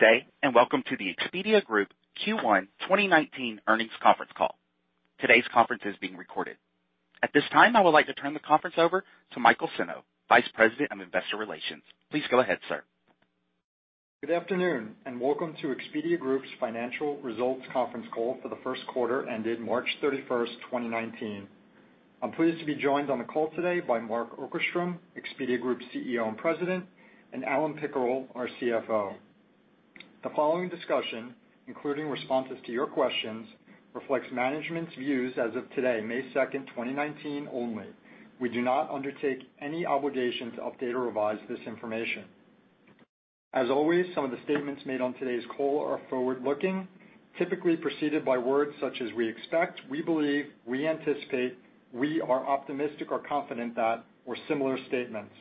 Good day, welcome to the Expedia Group Q1 2019 earnings conference call. Today's conference is being recorded. At this time, I would like to turn the conference over to Michael Senno, Vice President of Investor Relations. Please go ahead, sir. Good afternoon, welcome to Expedia Group's financial results conference call for the first quarter ended March 31st, 2019. I'm pleased to be joined on the call today by Mark Okerstrom, Expedia Group CEO and President, and Alan Pickerill, our CFO. The following discussion, including responses to your questions, reflects management's views as of today, May 2nd, 2019 only. We do not undertake any obligation to update or revise this information. As always, some of the statements made on today's call are forward-looking, typically preceded by words such as "we expect," "we believe," "we anticipate," "we are optimistic or confident that," or similar statements.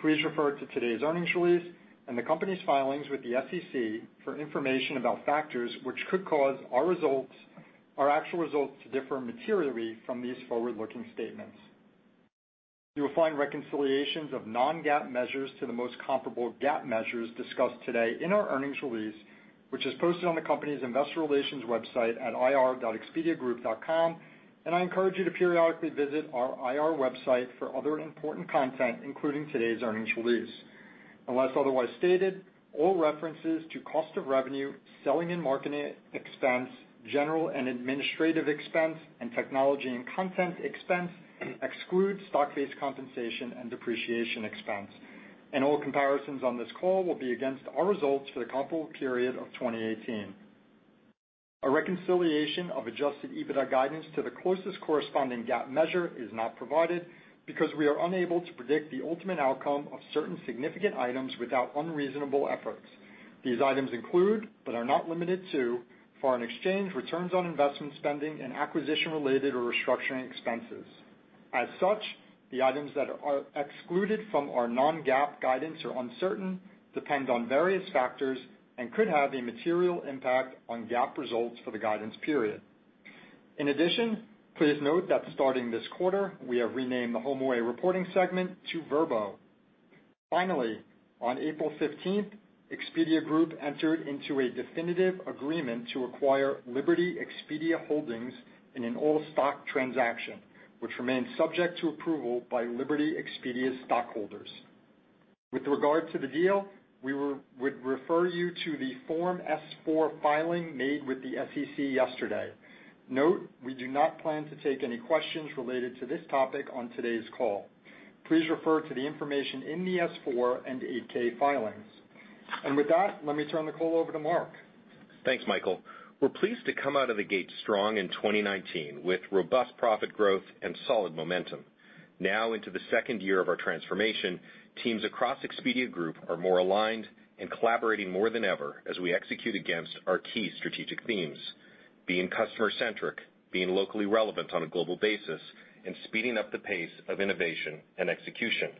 Please refer to today's earnings release and the company's filings with the SEC for information about factors which could cause our actual results to differ materially from these forward-looking statements. You will find reconciliations of non-GAAP measures to the most comparable GAAP measures discussed today in our earnings release, which is posted on the company's investor relations website at ir.expediagroup.com. I encourage you to periodically visit our IR website for other important content, including today's earnings release. Unless otherwise stated, all references to cost of revenue, selling and marketing expense, general and administrative expense, and technology and content expense exclude stock-based compensation and depreciation expense. All comparisons on this call will be against our results for the comparable period of 2018. A reconciliation of adjusted EBITDA guidance to the closest corresponding GAAP measure is not provided because we are unable to predict the ultimate outcome of certain significant items without unreasonable efforts. These items include but are not limited to foreign exchange, returns on investment spending, and acquisition-related or restructuring expenses. As such, the items that are excluded from our non-GAAP guidance are uncertain, depend on various factors, and could have a material impact on GAAP results for the guidance period. In addition, please note that starting this quarter, we have renamed the HomeAway reporting segment to Vrbo. Finally, on April 15th, Expedia Group entered into a definitive agreement to acquire Liberty Expedia Holdings in an all-stock transaction, which remains subject to approval by Liberty Expedia's stockholders. With regard to the deal, we would refer you to the Form S-4 filing made with the SEC yesterday. Note, we do not plan to take any questions related to this topic on today's call. Please refer to the information in the S-4 and 8-K filings. With that, let me turn the call over to Mark. Thanks, Michael. We're pleased to come out of the gate strong in 2019 with robust profit growth and solid momentum. Now into the second year of our transformation, teams across Expedia Group are more aligned and collaborating more than ever as we execute against our key strategic themes: being customer-centric, being locally relevant on a global basis, and speeding up the pace of innovation and execution.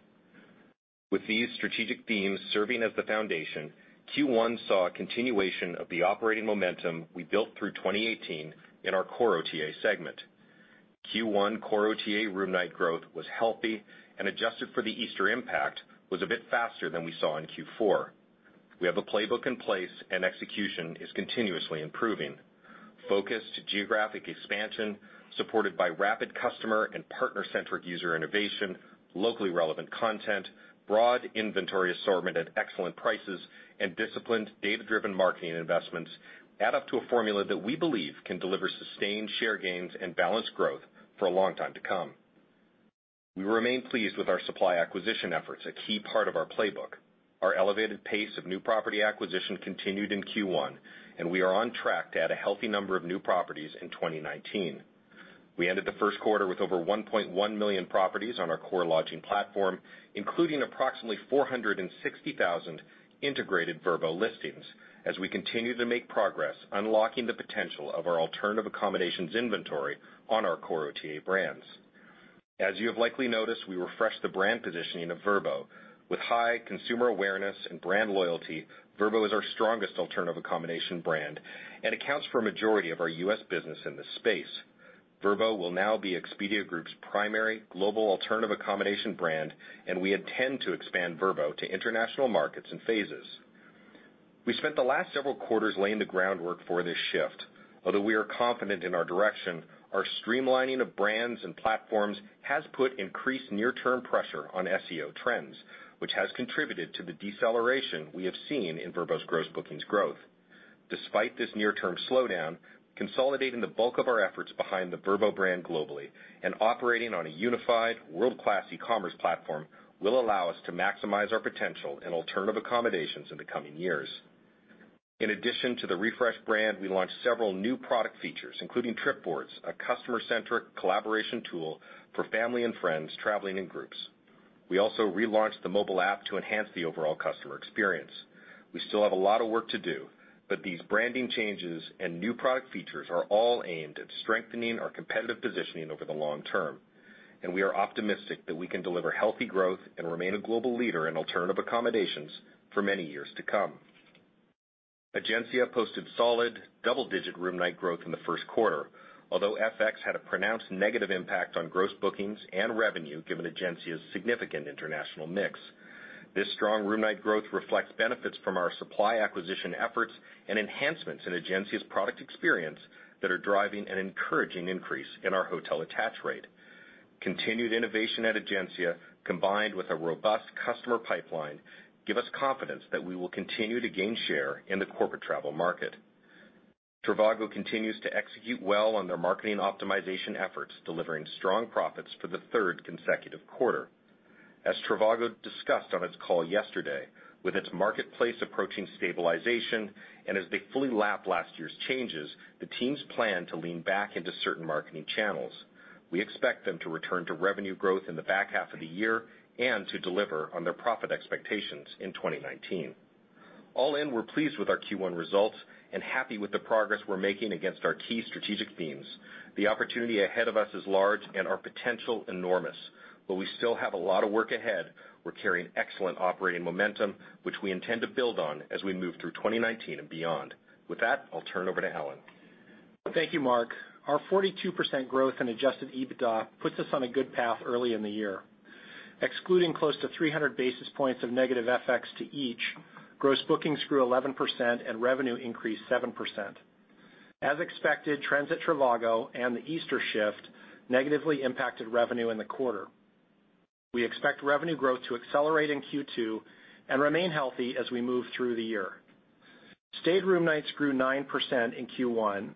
With these strategic themes serving as the foundation, Q1 saw a continuation of the operating momentum we built through 2018 in our core OTA segment. Q1 core OTA room night growth was healthy and, adjusted for the Easter impact, was a bit faster than we saw in Q4. We have a playbook in place, and execution is continuously improving. Focus to geographic expansion, supported by rapid customer and partner-centric user innovation, locally relevant content, broad inventory assortment at excellent prices, and disciplined data-driven marketing investments add up to a formula that we believe can deliver sustained share gains and balanced growth for a long time to come. We remain pleased with our supply acquisition efforts, a key part of our playbook. Our elevated pace of new property acquisition continued in Q1, and we are on track to add a healthy number of new properties in 2019. We ended the first quarter with over 1.1 million properties on our core lodging platform, including approximately 460,000 integrated Vrbo listings as we continue to make progress unlocking the potential of our alternative accommodations inventory on our core OTA brands. As you have likely noticed, we refreshed the brand positioning of Vrbo. With high consumer awareness and brand loyalty, Vrbo is our strongest alternative accommodation brand and accounts for a majority of our U.S. business in this space. Vrbo will now be Expedia Group's primary global alternative accommodation brand, and we intend to expand Vrbo to international markets in phases. We spent the last several quarters laying the groundwork for this shift. Although we are confident in our direction, our streamlining of brands and platforms has put increased near-term pressure on SEO trends, which has contributed to the deceleration we have seen in Vrbo's gross bookings growth. Despite this near-term slowdown, consolidating the bulk of our efforts behind the Vrbo brand globally and operating on a unified world-class e-commerce platform will allow us to maximize our potential in alternative accommodations in the coming years. In addition to the refreshed brand, we launched several new product features, including Trip Boards, a customer-centric collaboration tool for family and friends traveling in groups. We also relaunched the mobile app to enhance the overall customer experience. We still have a lot of work to do, but these branding changes and new product features are all aimed at strengthening our competitive positioning over the long term, and we are optimistic that we can deliver healthy growth and remain a global leader in alternative accommodations for many years to come. Egencia posted solid double-digit room night growth in the first quarter. Although FX had a pronounced negative impact on gross bookings and revenue given Egencia's significant international mix. This strong room night growth reflects benefits from our supply acquisition efforts and enhancements in Egencia's product experience that are driving an encouraging increase in our hotel attach rate. Continued innovation at Egencia, combined with a robust customer pipeline, give us confidence that we will continue to gain share in the corporate travel market. Trivago continues to execute well on their marketing optimization efforts, delivering strong profits for the third consecutive quarter. As Trivago discussed on its call yesterday, with its marketplace approaching stabilization, and as they fully lap last year's changes, the teams plan to lean back into certain marketing channels. We expect them to return to revenue growth in the back half of the year and to deliver on their profit expectations in 2019. All in, we're pleased with our Q1 results and happy with the progress we're making against our key strategic themes. The opportunity ahead of us is large and our potential enormous, we still have a lot of work ahead. We're carrying excellent operating momentum, which we intend to build on as we move through 2019 and beyond. With that, I'll turn over to Alan. Thank you, Mark. Our 42% growth in adjusted EBITDA puts us on a good path early in the year. Excluding close to 300 basis points of negative FX to each, gross bookings grew 11% and revenue increased 7%. As expected, trends at Trivago and the Easter shift negatively impacted revenue in the quarter. We expect revenue growth to accelerate in Q2 and remain healthy as we move through the year. Stayed room nights grew 9% in Q1,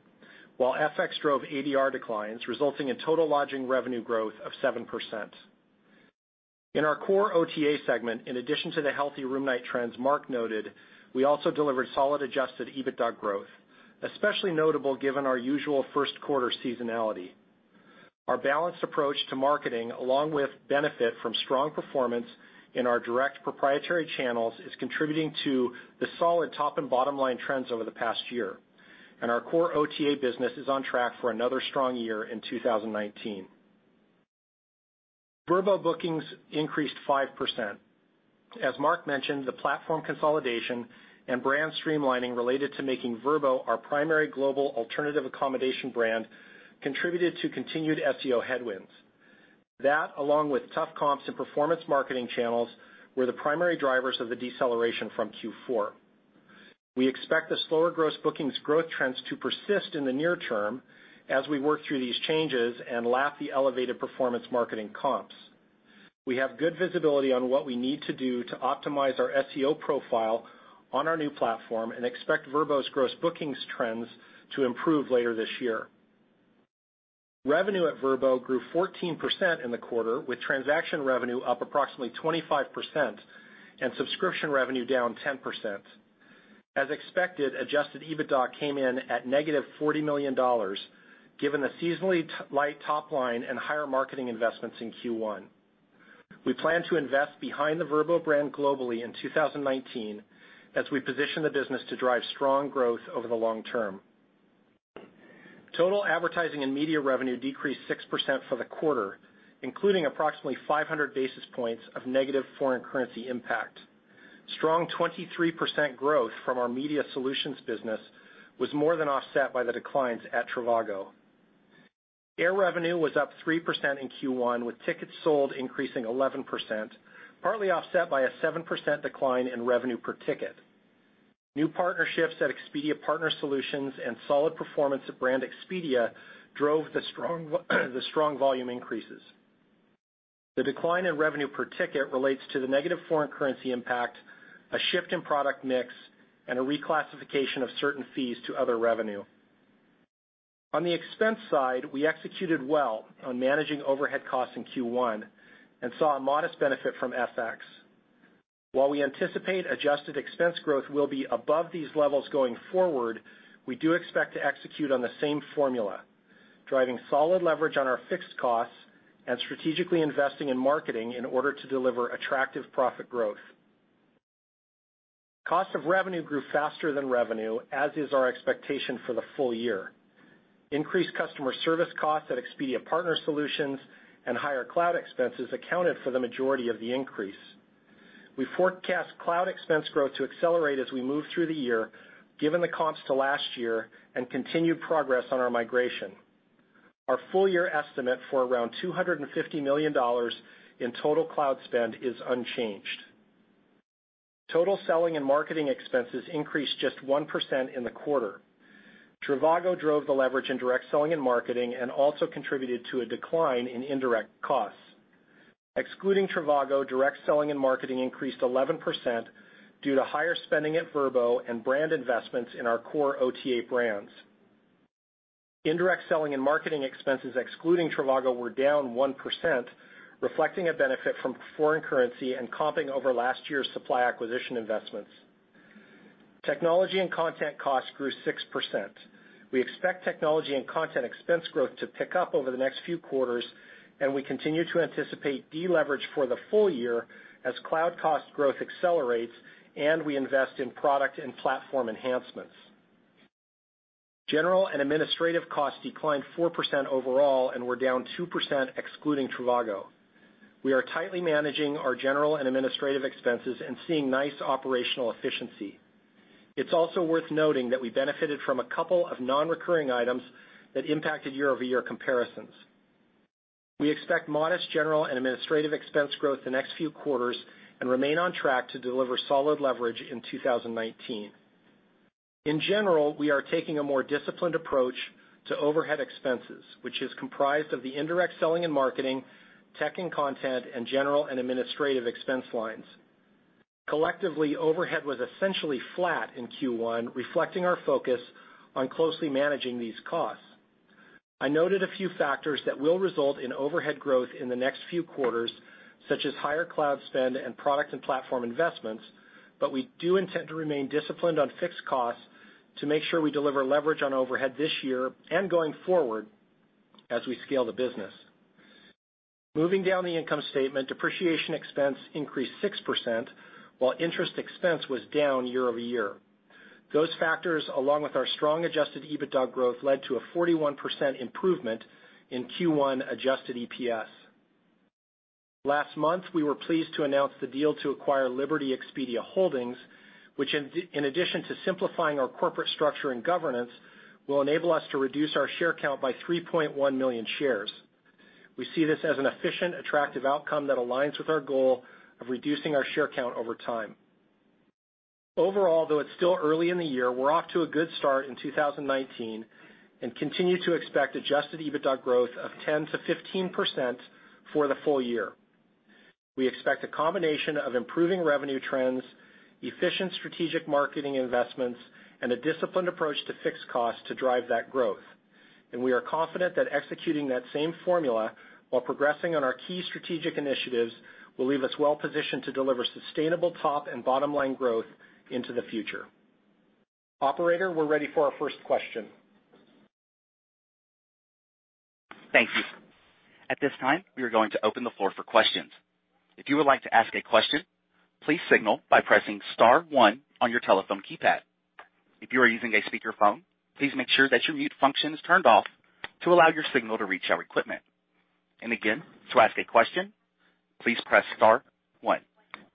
while FX drove ADR declines, resulting in total lodging revenue growth of 7%. In our core OTA segment, in addition to the healthy room night trends Mark noted, we also delivered solid adjusted EBITDA growth, especially notable given our usual first quarter seasonality. Our balanced approach to marketing, along with benefit from strong performance in our direct proprietary channels, is contributing to the solid top and bottom line trends over the past year. Our core OTA business is on track for another strong year in 2019. Vrbo bookings increased 5%. As Mark mentioned, the platform consolidation and brand streamlining related to making Vrbo our primary global alternative accommodation brand contributed to continued SEO headwinds. That, along with tough comps and performance marketing channels, were the primary drivers of the deceleration from Q4. We expect the slower gross bookings growth trends to persist in the near term as we work through these changes and lap the elevated performance marketing comps. We have good visibility on what we need to do to optimize our SEO profile on our new platform and expect Vrbo's gross bookings trends to improve later this year. Revenue at Vrbo grew 14% in the quarter, with transaction revenue up approximately 25% and subscription revenue down 10%. As expected, adjusted EBITDA came in at negative $40 million, given the seasonally light top line and higher marketing investments in Q1. We plan to invest behind the Vrbo brand globally in 2019 as we position the business to drive strong growth over the long term. Total advertising and media revenue decreased 6% for the quarter, including approximately 500 basis points of negative foreign currency impact. Strong 23% growth from our Media Solutions business was more than offset by the declines at Trivago. Air revenue was up 3% in Q1, with tickets sold increasing 11%, partly offset by a 7% decline in revenue per ticket. New partnerships at Expedia Partner Solutions and solid performance at Brand Expedia drove the strong volume increases. The decline in revenue per ticket relates to the negative foreign currency impact, a shift in product mix, and a reclassification of certain fees to other revenue. On the expense side, we executed well on managing overhead costs in Q1 and saw a modest benefit from FX. While we anticipate adjusted expense growth will be above these levels going forward, we do expect to execute on the same formula, driving solid leverage on our fixed costs and strategically investing in marketing in order to deliver attractive profit growth. Cost of revenue grew faster than revenue, as is our expectation for the full year. Increased customer service costs at Expedia Partner Solutions and higher cloud expenses accounted for the majority of the increase. We forecast cloud expense growth to accelerate as we move through the year, given the comps to last year and continued progress on our migration. Our full year estimate for around $250 million in total cloud spend is unchanged. Total selling and marketing expenses increased just 1% in the quarter. Trivago drove the leverage in direct selling and marketing and also contributed to a decline in indirect costs. Excluding Trivago, direct selling and marketing increased 11% due to higher spending at Vrbo and brand investments in our core OTA brands. Indirect selling and marketing expenses excluding Trivago were down 1%, reflecting a benefit from foreign currency and comping over last year's supply acquisition investments. Technology and content costs grew 6%. We expect technology and content expense growth to pick up over the next few quarters, and we continue to anticipate deleverage for the full year as cloud cost growth accelerates and we invest in product and platform enhancements. General and administrative costs declined 4% overall and were down 2% excluding Trivago. We are tightly managing our general and administrative expenses and seeing nice operational efficiency. It's also worth noting that we benefited from a couple of non-recurring items that impacted year-over-year comparisons. We expect modest general and administrative expense growth the next few quarters and remain on track to deliver solid leverage in 2019. In general, we are taking a more disciplined approach to overhead expenses, which is comprised of the indirect selling and marketing, tech and content, and general and administrative expense lines. Collectively, overhead was essentially flat in Q1, reflecting our focus on closely managing these costs. I noted a few factors that will result in overhead growth in the next few quarters, such as higher cloud spend and product and platform investments, but we do intend to remain disciplined on fixed costs to make sure we deliver leverage on overhead this year and going forward as we scale the business. Moving down the income statement, depreciation expense increased 6%, while interest expense was down year-over-year. Those factors, along with our strong adjusted EBITDA growth, led to a 41% improvement in Q1 adjusted EPS. Last month, we were pleased to announce the deal to acquire Liberty Expedia Holdings, which in addition to simplifying our corporate structure and governance, will enable us to reduce our share count by 3.1 million shares. We see this as an efficient, attractive outcome that aligns with our goal of reducing our share count over time. Overall, though it's still early in the year, we're off to a good start in 2019 and continue to expect adjusted EBITDA growth of 10%-15% for the full year. We expect a combination of improving revenue trends, efficient strategic marketing investments, and a disciplined approach to fixed costs to drive that growth. We are confident that executing that same formula while progressing on our key strategic initiatives will leave us well positioned to deliver sustainable top and bottom-line growth into the future. Operator, we're ready for our first question. Thank you. At this time, we are going to open the floor for questions. If you would like to ask a question, please signal by pressing *1 on your telephone keypad. If you are using a speakerphone, please make sure that your mute function is turned off to allow your signal to reach our equipment. Again, to ask a question, please press *1.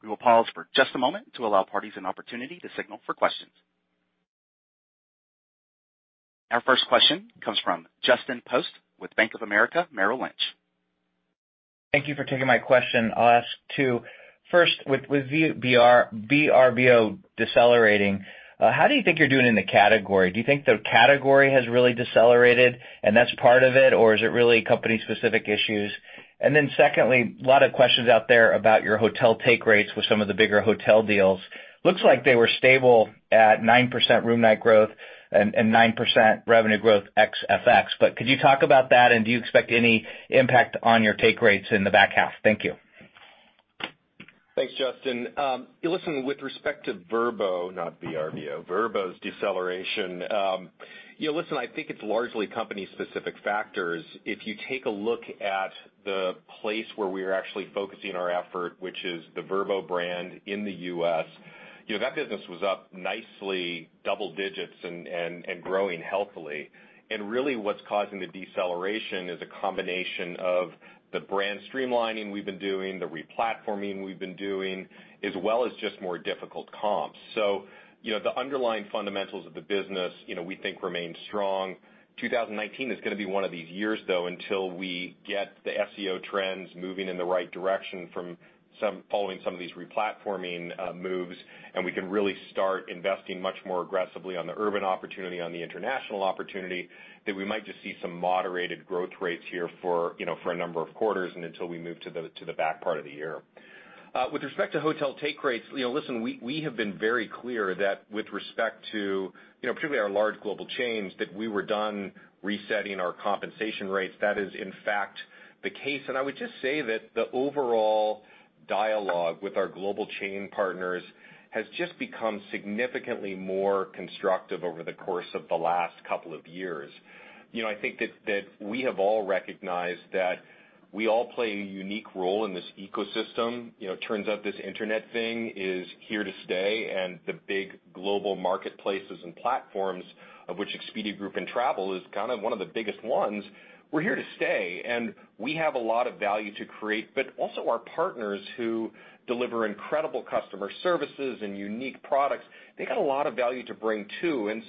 We will pause for just a moment to allow parties an opportunity to signal for questions. Our first question comes from Justin Post with Bank of America Merrill Lynch. Thank you for taking my question. I'll ask two. First, with Vrbo decelerating, how do you think you're doing in the category? Do you think the category has really decelerated and that's part of it, or is it really company-specific issues? Secondly, a lot of questions out there about your hotel take rates with some of the bigger hotel deals. Looks like they were stable at 9% room night growth and 9% revenue growth ex FX. Could you talk about that and do you expect any impact on your take rates in the back half? Thank you. Thanks, Justin. Listen, with respect to Vrbo, not B-R-V-O, Vrbo's deceleration. Listen, I think it's largely company specific factors. If you take a look at the place where we are actually focusing our effort, which is the Vrbo brand in the U.S., that business was up nicely double digits and growing healthily. Really what's causing the deceleration is a combination of the brand streamlining we've been doing, the replatforming we've been doing, as well as just more difficult comps. The underlying fundamentals of the business, we think remain strong. 2019 is going to be one of these years, though, until we get the SEO trends moving in the right direction following some of these replatforming moves, and we can really start investing much more aggressively on the urban opportunity, on the international opportunity, that we might just see some moderated growth rates here for a number of quarters and until we move to the back part of the year. With respect to hotel take rates, listen, we have been very clear that with respect to particularly our large global chains, that we were done resetting our compensation rates. That is in fact the case. I would just say that the overall dialogue with our global chain partners has just become significantly more constructive over the course of the last couple of years. I think that we have all recognized that we all play a unique role in this ecosystem. It turns out this Internet thing is here to stay and the big global marketplaces and platforms, of which Expedia Group and travel is one of the biggest ones, we're here to stay, and we have a lot of value to create, but also our partners who deliver incredible customer services and unique products, they got a lot of value to bring, too.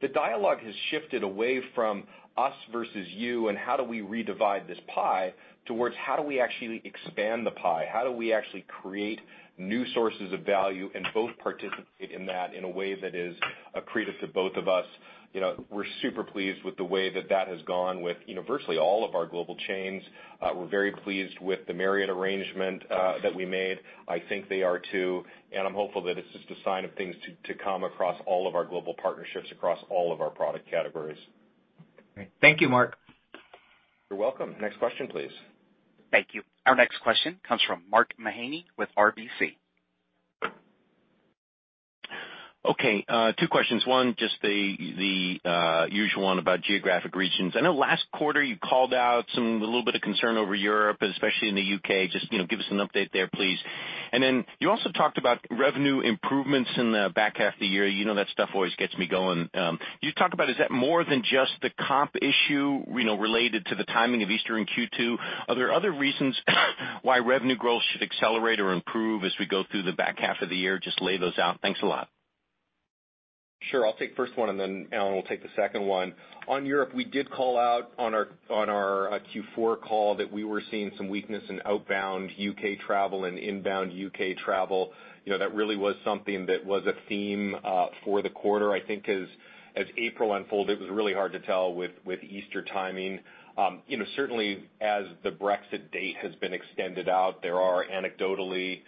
The dialogue has shifted away from us versus you and how do we redivide this pie towards how do we actually expand the pie? How do we actually create new sources of value and both participate in that in a way that is accretive to both of us? We're super pleased with the way that that has gone with virtually all of our global chains. We're very pleased with the Marriott arrangement that we made. I think they are too, and I'm hopeful that it's just a sign of things to come across all of our global partnerships, across all of our product categories. Great. Thank you, Mark. You're welcome. Next question, please. Thank you. Our next question comes from Mark Mahaney with RBC. Okay, two questions. One, just the usual one about geographic regions. I know last quarter you called out a little bit of concern over Europe, especially in the U.K. Just give us an update there, please. You also talked about revenue improvements in the back half of the year. You know that stuff always gets me going. You talk about is that more than just the comp issue related to the timing of Easter in Q2? Are there other reasons why revenue growth should accelerate or improve as we go through the back half of the year? Just lay those out. Thanks a lot. Sure. I'll take first one, and then Alan will take the second one. On Europe, we did call out on our Q4 call that we were seeing some weakness in outbound U.K. travel and inbound U.K. travel. That really was something that was a theme for the quarter. I think as April unfolded, it was really hard to tell with Easter timing. Certainly, as the Brexit date has been extended out, there are anecdotally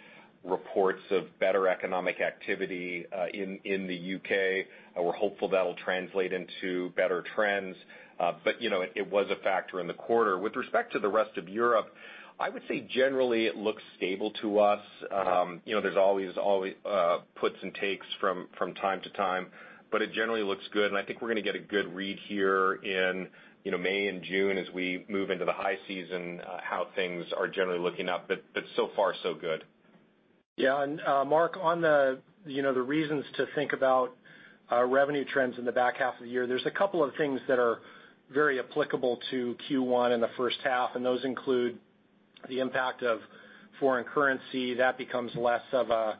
reports of better economic activity in the U.K. We're hopeful that'll translate into better trends. It was a factor in the quarter. With respect to the rest of Europe, I would say generally, it looks stable to us. There's always puts and takes from time to time, it generally looks good, and I think we're going to get a good read here in May and June as we move into the high season, how things are generally looking up. So far, so good. Yeah. Mark, on the reasons to think about revenue trends in the back half of the year, there's a couple of things that are very applicable to Q1 and the first half, and those include the impact of foreign currency. That becomes less of a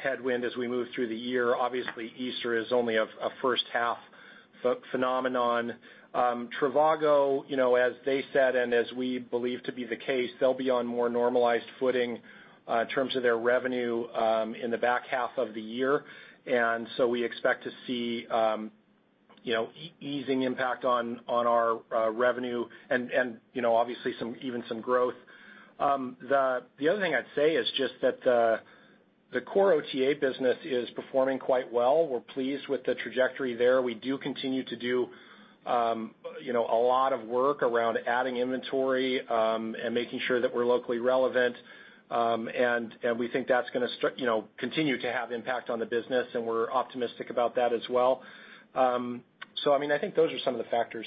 headwind as we move through the year. Obviously, Easter is only a first half phenomenon. Trivago, as they said and as we believe to be the case, they'll be on more normalized footing in terms of their revenue in the back half of the year. We expect to see easing impact on our revenue and obviously even some growth. The other thing I'd say is just that the core OTA business is performing quite well. We're pleased with the trajectory there. We do continue to do a lot of work around adding inventory and making sure that we're locally relevant. We think that's going to continue to have impact on the business, and we're optimistic about that as well. I think those are some of the factors.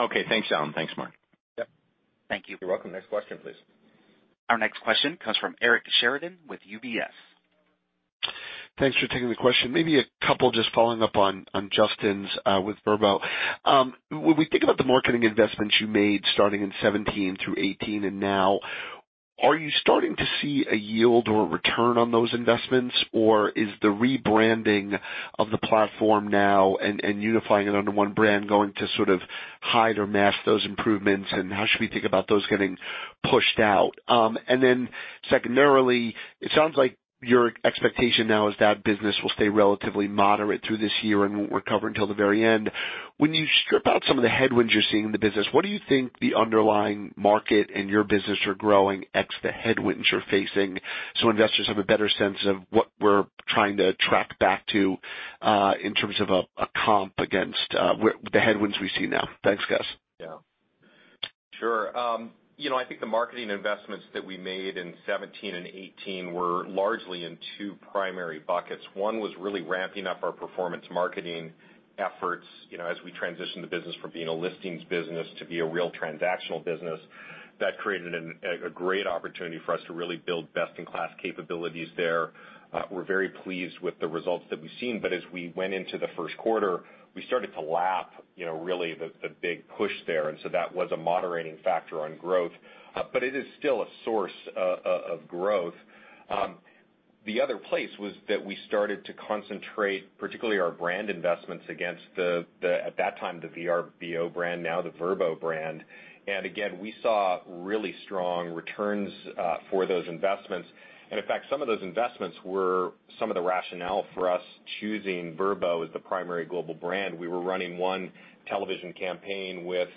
Okay. Thanks, Alan. Thanks, Mark. Yep. Thank you. You're welcome. Next question, please. Our next question comes from Eric Sheridan with UBS. Thanks for taking the question. Maybe a couple just following up on Justin's with Vrbo. When we think about the marketing investments you made starting in 2017 through 2018 and now, are you starting to see a yield or a return on those investments? Or is the rebranding of the platform now and unifying it under one brand going to sort of hide or mask those improvements, and how should we think about those getting pushed out? Secondarily, it sounds like your expectation now is that business will stay relatively moderate through this year and won't recover until the very end. When you strip out some of the headwinds you're seeing in the business, what do you think the underlying market and your business are growing ex the headwinds you're facing so investors have a better sense of what we're trying to track back to in terms of a comp against the headwinds we see now? Thanks, guys. Yeah. Sure. I think the marketing investments that we made in 2017 and 2018 were largely in two primary buckets. One was really ramping up our performance marketing efforts as we transitioned the business from being a listings business to be a real transactional business. That created a great opportunity for us to really build best in class capabilities there. We're very pleased with the results that we've seen. As we went into the first quarter, we started to lap really the big push there, that was a moderating factor on growth. It is still a source of growth. The other place was that we started to concentrate, particularly our brand investments against the, at that time, the Vrbo brand, now the Vrbo brand. Again, we saw really strong returns for those investments. In fact, some of those investments were some of the rationale for us choosing Vrbo as the primary global brand. We were running one television campaign with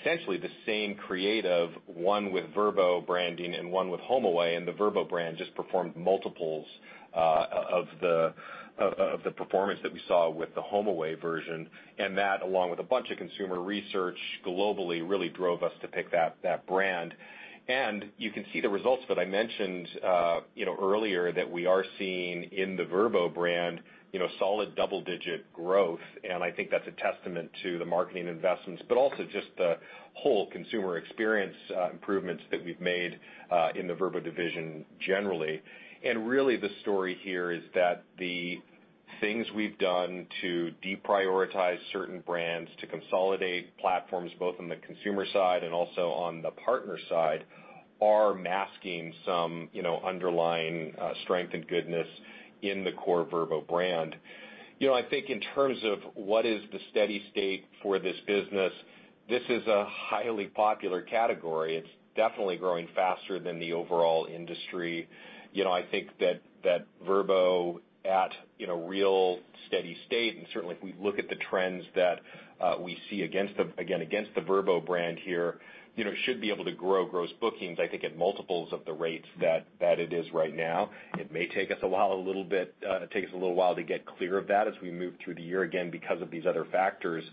essentially the same creative, one with Vrbo branding and one with HomeAway, the Vrbo brand just performed multiples of the performance that we saw with the HomeAway version. That, along with a bunch of consumer research globally, really drove us to pick that brand. You can see the results that I mentioned earlier that we are seeing in the Vrbo brand, solid double digit growth, I think that's a testament to the marketing investments, but also just the whole consumer experience improvements that we've made in the Vrbo division generally. really, the story here is that the things we've done to deprioritize certain brands to consolidate platforms, both on the consumer side and also on the partner side, are masking some underlying strength and goodness in the core Vrbo brand. I think in terms of what is the steady state for this business, this is a highly popular category. It's definitely growing faster than the overall industry. I think that Vrbo at real steady state, and certainly if we look at the trends that we see, again, against the Vrbo brand here, should be able to grow gross bookings, I think, at multiples of the rates that it is right now. It may take us a little while to get clear of that as we move through the year, again, because of these other factors.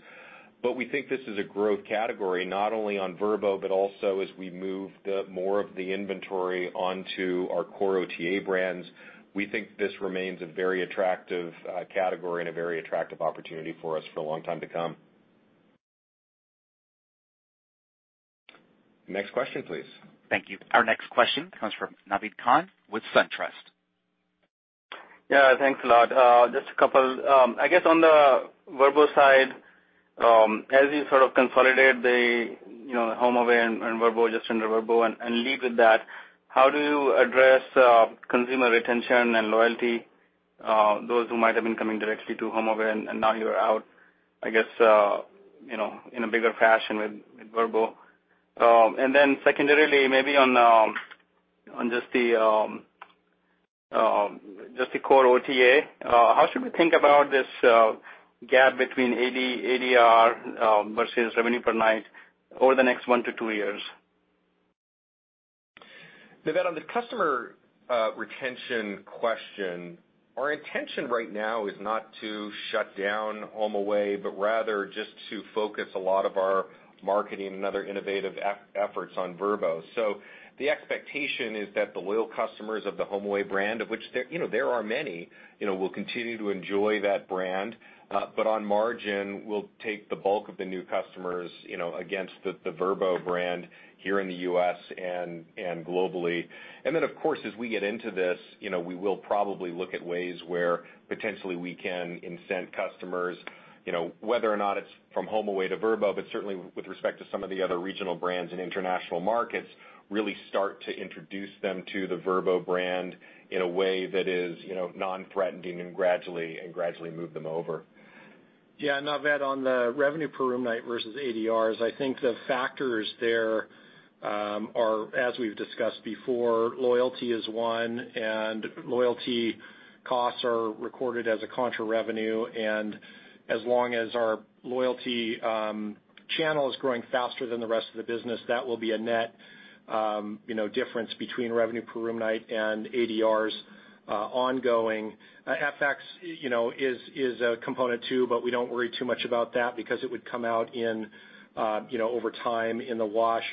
We think this is a growth category, not only on Vrbo, but also as we move more of the inventory onto our core OTA brands. We think this remains a very attractive category and a very attractive opportunity for us for a long time to come. Next question, please. Thank you. Our next question comes from Naved Khan with SunTrust. Yeah, thanks a lot. Just a couple. I guess on the Vrbo side. As you sort of consolidate the HomeAway and Vrbo just under Vrbo and lead with that, how do you address consumer retention and loyalty, those who might have been coming directly to HomeAway and now you're out, I guess, in a bigger fashion with Vrbo. Then secondarily, maybe on just the core OTA, how should we think about this gap between ADR versus revenue per night over the next 1-2 years? Naved, on the customer retention question, our intention right now is not to shut down HomeAway, but rather just to focus a lot of our marketing and other innovative efforts on Vrbo. The expectation is that the loyal customers of the HomeAway brand, of which there are many, will continue to enjoy that brand. On margin, we'll take the bulk of the new customers against the Vrbo brand here in the U.S. and globally. Of course, as we get into this, we will probably look at ways where potentially we can incent customers, whether or not it's from HomeAway to Vrbo, but certainly with respect to some of the other regional brands in international markets, really start to introduce them to the Vrbo brand in a way that is non-threatening and gradually move them over. Yeah, Naved, on the revenue per room night versus ADRs, I think the factors there are, as we've discussed before, loyalty is one, and loyalty costs are recorded as a contra revenue, and as long as our loyalty channel is growing faster than the rest of the business, that will be a net difference between revenue per room night and ADRs ongoing. FX is a component too, but we don't worry too much about that because it would come out over time in the wash.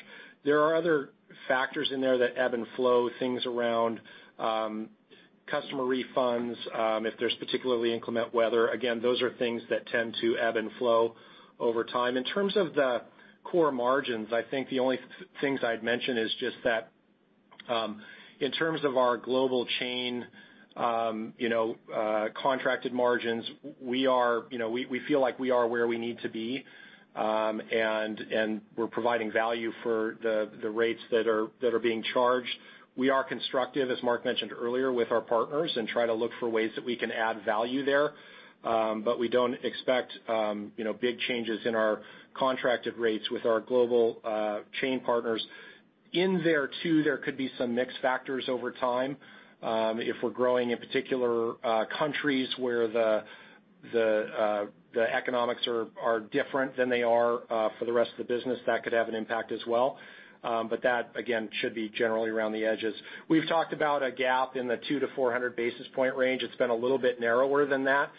There are other factors in there that ebb and flow, things around customer refunds, if there's particularly inclement weather. Those are things that tend to ebb and flow over time. In terms of the core margins, I think the only things I'd mention is just that in terms of our global chain contracted margins, we feel like we are where we need to be, and we're providing value for the rates that are being charged. We are constructive, as Mark mentioned earlier, with our partners and try to look for ways that we can add value there, but we don't expect big changes in our contracted rates with our global chain partners. In there, too, there could be some mixed factors over time. If we're growing in particular countries where the economics are different than they are for the rest of the business, that could have an impact as well. That, again, should be generally around the edges. We've talked about a gap in the 2 to 400 basis point range. It's been a little bit narrower than that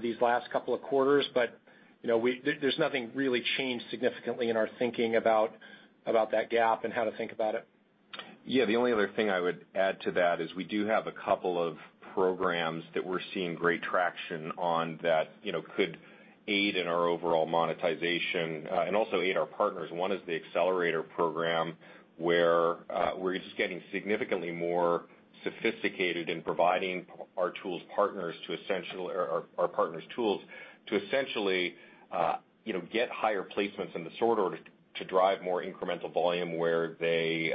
these last couple of quarters, there's nothing really changed significantly in our thinking about that gap and how to think about it. Yeah, the only other thing I would add to that is we do have a couple of programs that we're seeing great traction on that could aid in our overall monetization and also aid our partners. One is the Accelerator program, where we're just getting significantly more sophisticated in providing our tools partners to or our partners tools to essentially get higher placements in the sorter to drive more incremental volume where they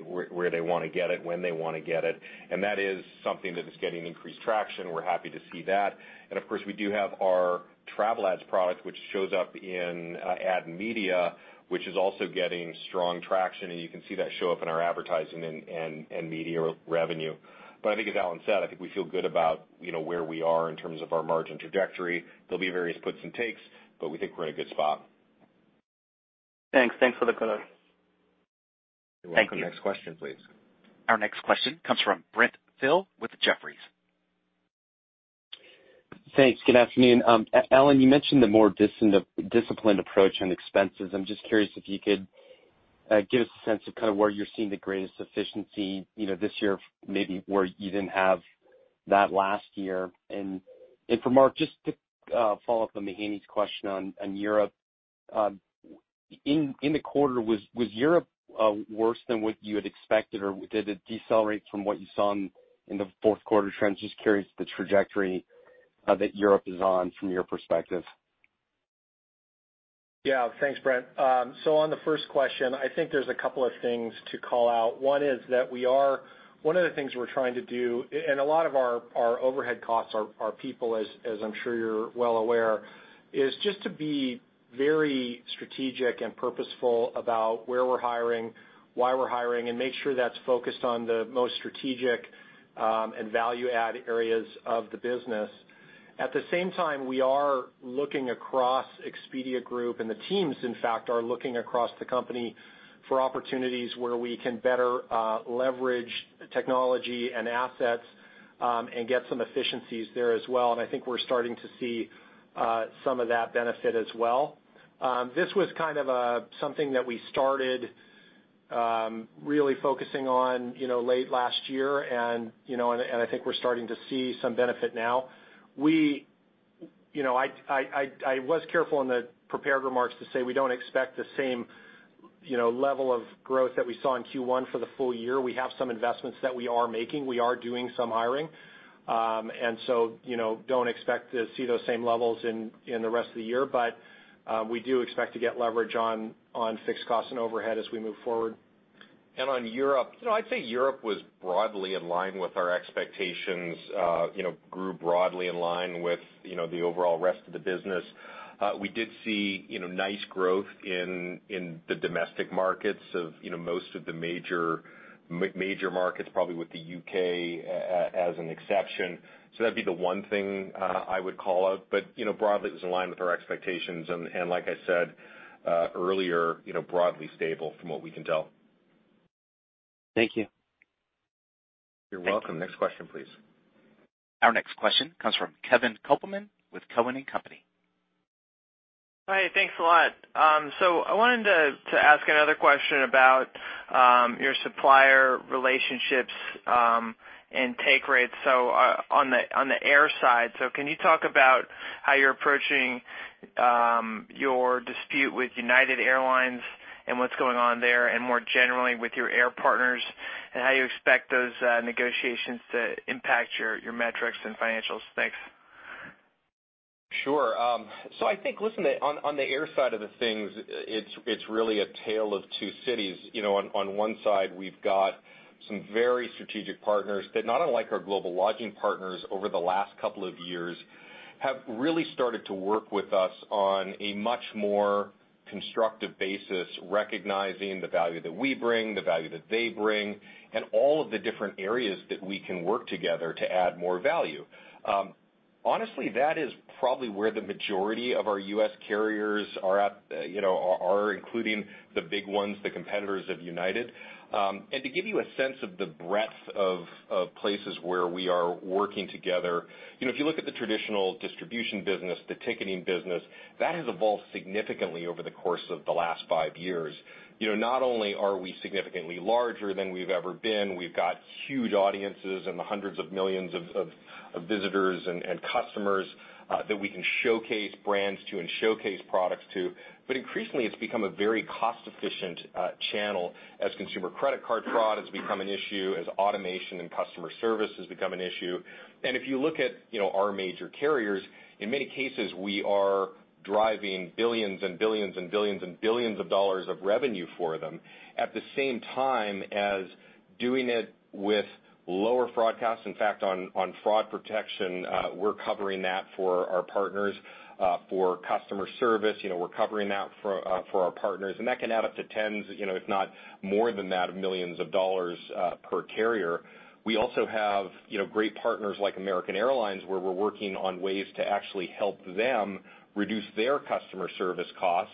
want to get it, when they want to get it. And that is something that is getting increased traction. We're happy to see that. Of course, we do have our TravelAds product, which shows up in ad media, which is also getting strong traction, and you can see that show up in our advertising and media revenue. I think as Alan said, I think we feel good about where we are in terms of our margin trajectory. There'll be various puts and takes, but we think we're in a good spot. Thanks. Thanks for the color. Thank you. You're welcome. Next question, please. Our next question comes from Brent Thill with Jefferies. Thanks. Good afternoon. Alan, you mentioned the more disciplined approach on expenses. I'm just curious if you could give us a sense of kind of where you're seeing the greatest efficiency this year, maybe where you didn't have that last year. For Mark, just to follow up on Mahaney's question on Europe. In the quarter, was Europe worse than what you had expected, or did it decelerate from what you saw in the fourth quarter trends? Just curious the trajectory that Europe is on from your perspective. Yeah. Thanks, Brent. On the first question, I think there's a couple of things to call out. One of the things we're trying to do, and a lot of our overhead costs are people, as I'm sure you're well aware, is just to be very strategic and purposeful about where we're hiring, why we're hiring, and make sure that's focused on the most strategic and value add areas of the business. At the same time, we are looking across Expedia Group, and the teams, in fact, are looking across the company for opportunities where we can better leverage technology and assets, and get some efficiencies there as well, and I think we're starting to see some of that benefit as well. This was kind of something that we started really focusing on late last year, and I think we're starting to see some benefit now. I was careful in the prepared remarks to say we don't expect the same level of growth that we saw in Q1 for the full year, we have some investments that we are making. We are doing some hiring. Don't expect to see those same levels in the rest of the year. We do expect to get leverage on fixed costs and overhead as we move forward. On Europe, I'd say Europe was broadly in line with our expectations, grew broadly in line with the overall rest of the business. We did see nice growth in the domestic markets of most of the major markets, probably with the U.K. as an exception. That'd be the one thing I would call out. Broadly, it was in line with our expectations, and like I said earlier, broadly stable from what we can tell. Thank you. You're welcome. Next question, please. Our next question comes from Kevin Kopelman with Cowen and Company. Hi, thanks a lot. I wanted to ask another question about your supplier relationships, and take rates. On the air side, so can you talk about how you're approaching your dispute with United Airlines and what's going on there, and more generally with your air partners, and how you expect those negotiations to impact your metrics and financials? Thanks. Sure. I think, listen, on the air side of the things, it's really a tale of two cities. On one side, we've got some very strategic partners that, not unlike our global lodging partners over the last couple of years, have really started to work with us on a much more constructive basis, recognizing the value that we bring, the value that they bring, and all of the different areas that we can work together to add more value. Honestly, that is probably where the majority of our U.S. carriers are at, are including the big ones, the competitors of United. To give you a sense of the breadth of places where we are working together, if you look at the traditional distribution business, the ticketing business, that has evolved significantly over the course of the last five years. Not only are we significantly larger than we've ever been, we've got huge audiences and hundreds of millions of visitors and customers that we can showcase brands to and showcase products to. Increasingly, it's become a very cost-efficient channel as consumer credit card fraud has become an issue, as automation and customer service has become an issue. If you look at our major carriers, in many cases, we are driving billions and billions of dollars of revenue for them, at the same time as doing it with lower fraud costs. In fact, on fraud protection, we're covering that for our partners. For customer service, we're covering that for our partners. That can add up to tens, if not more than that, of millions of dollars per carrier. We also have great partners like American Airlines where we're working on ways to actually help them reduce their customer service costs.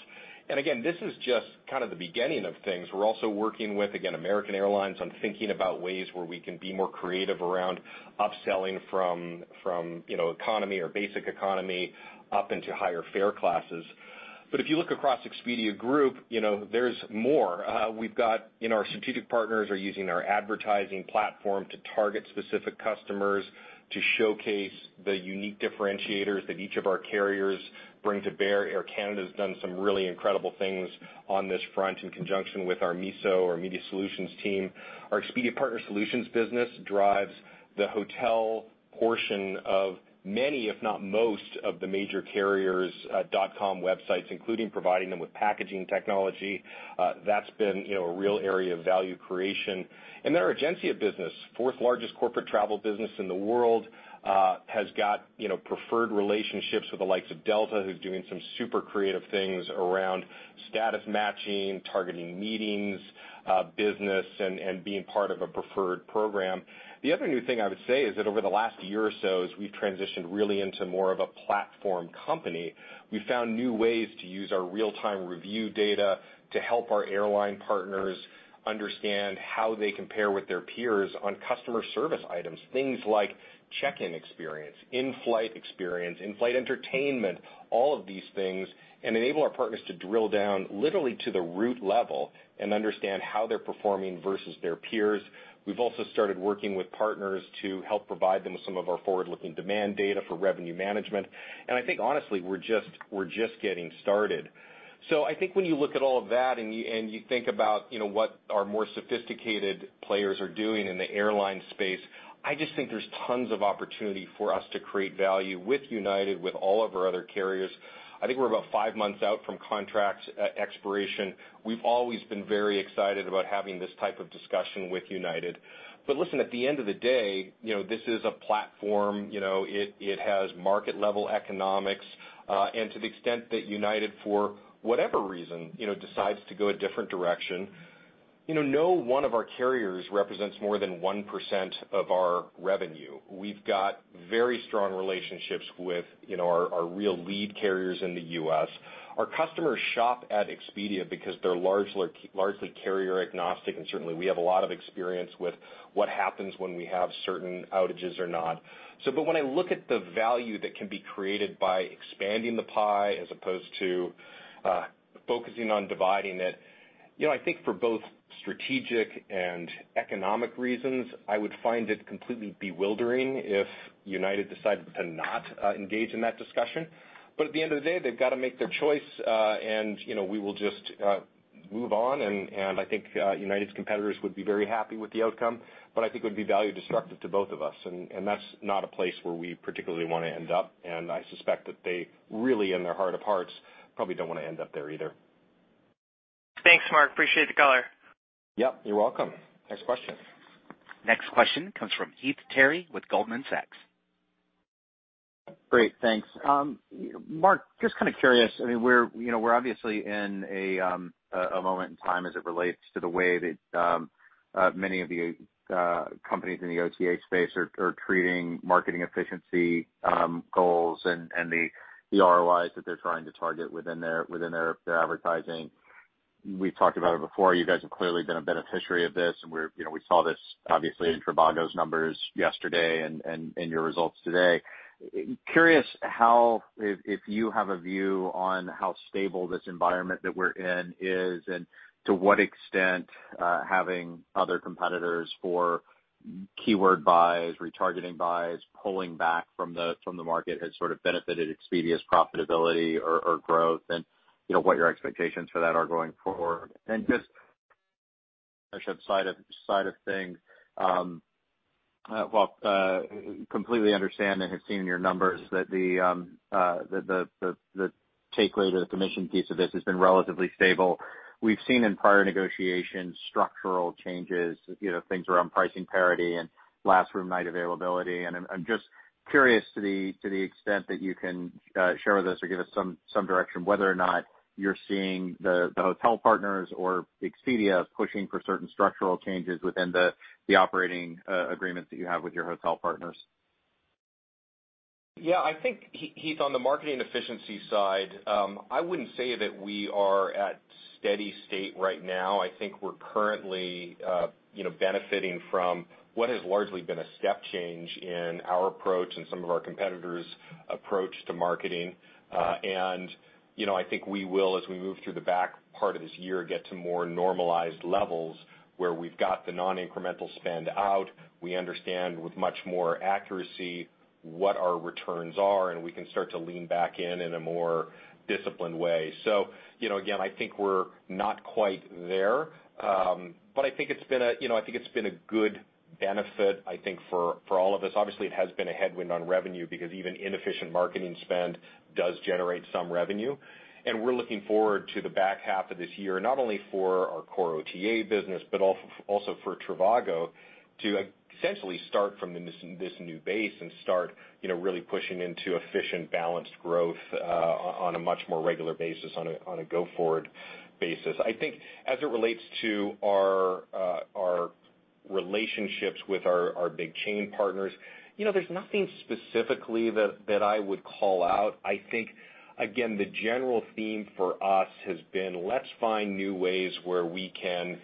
Again, this is just kind of the beginning of things. We're also working with, again, American Airlines on thinking about ways where we can be more creative around upselling from economy or basic economy up into higher fare classes. If you look across Expedia Group, there's more. We've got our strategic partners are using our advertising platform to target specific customers to showcase the unique differentiators that each of our carriers bring to bear. Air Canada's done some really incredible things on this front in conjunction with our Media Solutions, our Media Solutions team. Our Expedia Partner Solutions business drives the hotel portion of many, if not most, of the major carriers' dotcom websites, including providing them with packaging technology. That's been a real area of value creation. Our Egencia business, fourth largest corporate travel business in the world, has got preferred relationships with the likes of Delta, who's doing some super creative things around status matching, targeting meetings, business, and being part of a preferred program. The other new thing I would say is that over the last year or so, as we've transitioned really into more of a platform company, we found new ways to use our real-time review data to help our airline partners understand how they compare with their peers on customer service items. Things like check-in experience, in-flight experience, in-flight entertainment, all of these things, and enable our partners to drill down literally to the root level and understand how they're performing versus their peers. We've also started working with partners to help provide them with some of our forward-looking demand data for revenue management. I think, honestly, we're just getting started. I think when you look at all of that and you think about what our more sophisticated players are doing in the airline space, I just think there's tons of opportunity for us to create value with United, with all of our other carriers. I think we're about five months out from contract expiration. We've always been very excited about having this type of discussion with United. Listen, at the end of the day, this is a platform. It has market-level economics. To the extent that United, for whatever reason, decides to go a different direction, no one of our carriers represents more than 1% of our revenue. We've got very strong relationships with our real lead carriers in the U.S. Our customers shop at Expedia because they're largely carrier-agnostic, and certainly, we have a lot of experience with what happens when we have certain outages or not. When I look at the value that can be created by expanding the pie as opposed to focusing on dividing it, I think for both strategic and economic reasons, I would find it completely bewildering if United decided to not engage in that discussion. At the end of the day, they've got to make their choice, and we will just move on, and I think United's competitors would be very happy with the outcome, but I think it would be value destructive to both of us, and that's not a place where we particularly want to end up, and I suspect that they really, in their heart of hearts, probably don't want to end up there either. Thanks, Mark. Appreciate the color. Yep, you're welcome. Next question. Next question comes from Heath Terry with Goldman Sachs. Great, thanks. Mark, just kind of curious, we're obviously in a moment in time as it relates to the way that many of the companies in the OTA space are treating marketing efficiency goals and the ROIs that they're trying to target within their advertising. We've talked about it before. You guys have clearly been a beneficiary of this, and we saw this obviously in Trivago's numbers yesterday and your results today. Curious how, if you have a view on how stable this environment that we're in is, and to what extent having other competitors for keyword buys, retargeting buys, pulling back from the market has sort of benefited Expedia's profitability or growth and what your expectations for that are going forward. Just I should side of things, while I completely understand and have seen in your numbers that the takeaway, the commission piece of this has been relatively stable. We've seen in prior negotiations, structural changes, things around pricing parity and last room night availability. I'm just curious to the extent that you can share with us or give us some direction whether or not you're seeing the hotel partners or Expedia pushing for certain structural changes within the operating agreements that you have with your hotel partners. Yeah, I think, Heath, on the marketing efficiency side, I wouldn't say that we are at steady state right now. I think we're currently benefiting from what has largely been a step change in our approach and some of our competitors' approach to marketing. I think we will, as we move through the back part of this year, get to more normalized levels where we've got the non-incremental spend out, we understand with much more accuracy what our returns are, and we can start to lean back in in a more disciplined way. Again, I think we're not quite there. I think it's been a good benefit, I think, for all of us. Obviously, it has been a headwind on revenue because even inefficient marketing spend does generate some revenue. We're looking forward to the back half of this year, not only for our core OTA business, but also for Trivago to essentially start from this new base and start really pushing into efficient, balanced growth on a much more regular basis, on a go-forward basis. I think as it relates to our relationships with our big chain partners, there's nothing specifically that I would call out. I think, again, the general theme for us has been, let's find new ways where we can